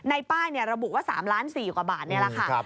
ป้ายระบุว่า๓ล้าน๔กว่าบาทนี่แหละค่ะ